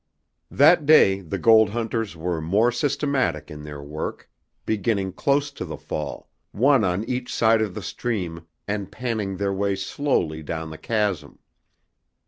That day the gold hunters were more systematic in their work, beginning close to the fall, one on each side of the stream, and panning their way slowly down the chasm.